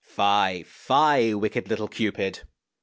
Fie, fie ! wicked little Cupid